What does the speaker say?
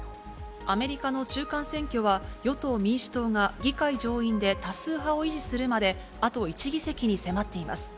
アメリカの中間選挙は、与党・民主党が議会上院で多数派を維持するまで、あと１議席に迫っています。